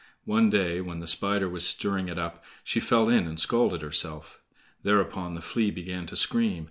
One day, when the Spider was stirring it up, she fell in and scalded herself. Thereupon the Flea began to scream.